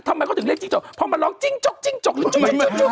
ทำไมเขาถึงเรียกจิ๊กจกเพราะมันร้องจิ๊กจกจิ๊กจกจุ๊กจุ๊กจุ๊ก